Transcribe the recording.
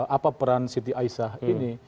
apa peran siti aisyah ini